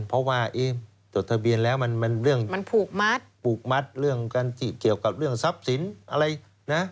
เพราะว่าจดทะเบียนแล้วมันปลูกมัดเรื่องที่เกี่ยวกับเรื่องทรัพย์สินอะไรนะ